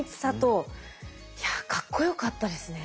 いやかっこよかったですね。